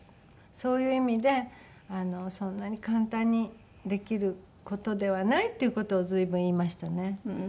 そういう意味でそんなに簡単にできる事ではないっていう事を随分言いましたね。